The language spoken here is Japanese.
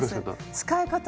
使い方が。